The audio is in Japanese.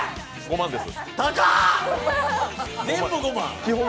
５万円です。